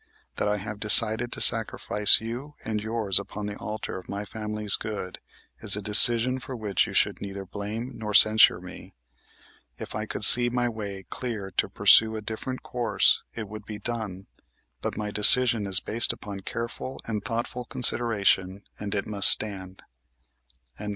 That I have decided to sacrifice you and yours upon the altar of my family's good is a decision for which you should neither blame nor censure me. If I could see my way clear to pursue a different course it would be done; but my decision is based upon careful and thoughtful consideration and it must stand."